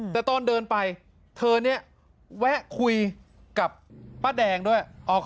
แต่ตอนเดินไปเธอเนี่ยแวะคุยกับป้าแดงด้วย